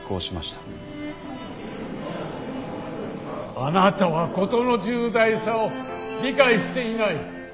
あなたは事の重大さを理解していない。